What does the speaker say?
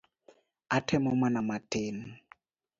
Atemo mana matin.